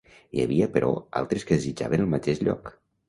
Hi havia, però altres que desitjaven el mateix lloc.